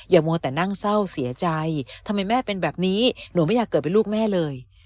มัวแต่นั่งเศร้าเสียใจทำไมแม่เป็นแบบนี้หนูไม่อยากเกิดเป็นลูกแม่เลย